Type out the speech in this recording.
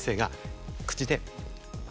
口で。